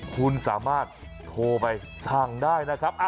คุณสามารถโทรไปสั่งได้นะครับ